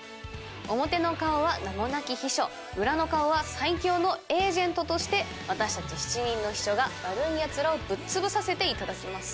表の顔は名もなき秘書裏の顔は最強のエージェントとして私たち７人の秘書が悪いヤツらをぶっ潰させていただきます。